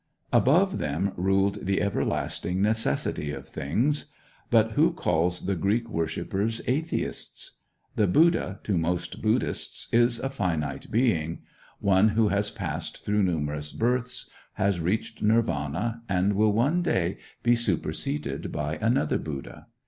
Above them ruled the everlasting necessity of things. But who calls the Greek worshipers atheists? The Buddha, to most Buddhists, is a finite being, one who has passed through numerous births, has reached Nirvana, and will one day be superseded by another Buddha.